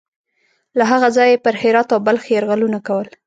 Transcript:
له هغه ځایه یې پر هرات او بلخ یرغلونه کول.